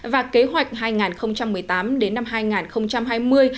và kế hoạch hai nghìn một mươi tám đến năm hai nghìn hai mươi